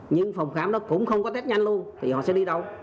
nhưng phòng khám đó cũng không có test nhanh luôn thì họ sẽ đi đâu